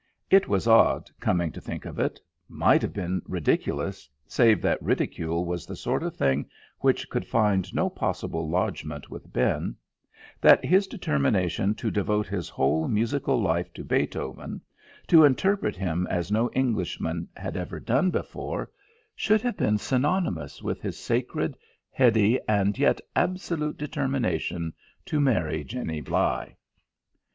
It was odd, coming to think of it might have been ridiculous, save that ridicule was the sort of thing which could find no possible lodgment with Ben that his determination to devote his whole musical life to Beethoven, to interpret him as no Englishman had ever done before, should have been synonymous with his sacred, heady, and yet absolute determination to marry Jenny Bligh.